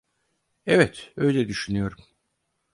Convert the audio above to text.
Evet, öyle düşünüyorum.